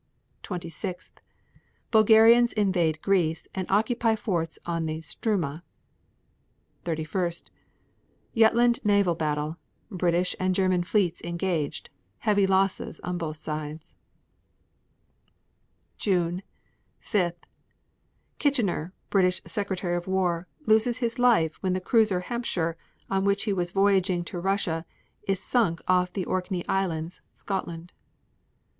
26. Bulgarians invade Greece and occupy forts on the Struma. 31. Jutland naval battle; British and German fleets engaged; heavy losses on both sides. June 5. Kitchener, British Secretary of War, loses his life when the cruiser Hampshire, on which he was voyaging to Russia, is sunk off the Orkney Islands, Scotland.